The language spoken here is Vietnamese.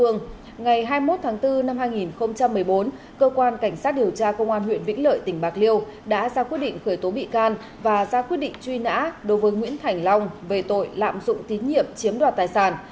năm hai nghìn một mươi bốn cơ quan cảnh sát điều tra công an huyện vĩnh lợi tỉnh bạc liêu đã ra quyết định khởi tố bị can và ra quyết định truy nã đối với nguyễn thành long về tội lạm dụng tín nhiệm chiếm đoạt tài sản